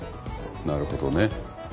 なるほどね。